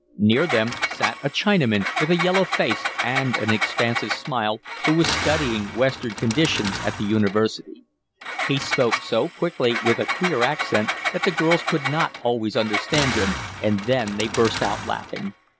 Near them sat a Chinaman, with a yellow face and an expansive smile, who was studying Western conditions at the University. He spoke so quickly, with a queer accent, that the girls could not always understand him, and then they burst out laughing.